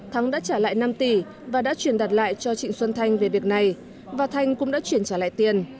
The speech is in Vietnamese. thắng đã trả lại năm tỷ và đã truyền đạt lại cho trịnh xuân thanh về việc này và thanh cũng đã chuyển trả lại tiền